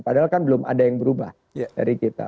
padahal kan belum ada yang berubah dari kita